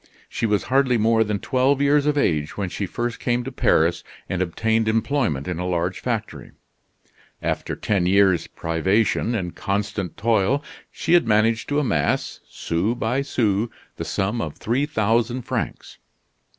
She was hardly more than twelve years of age when she first came to Paris and obtained employment in a large factory. After ten years' privation and constant toil, she had managed to amass, sou by sou, the sum of three thousand francs.